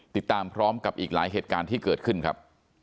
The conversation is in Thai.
ติดตามพร้อมกับอีกหลายเหตุการณ์ที่เกิดขึ้นครับ